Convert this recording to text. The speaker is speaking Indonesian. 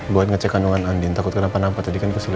buat ngecek kandungan andin takut kenapa nampak tadi kan